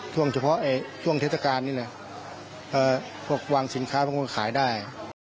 ช่วงเฉพาะช่วงเทศกาลนี้พวกวางสินค้ามันควรขายได้